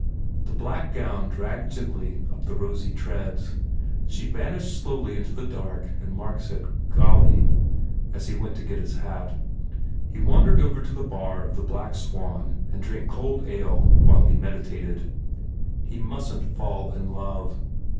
The black gown dragged gently up the rosy treads. She vanished slowly into the dark and Mark said, "Golly," as he went to get his hat. He wandered over to the bar of the Black Swan and drank cold ale while he meditated. 43 THE FAIR REWARDS He mustn t fall in love.